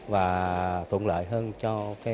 và thuận lợi hơn cho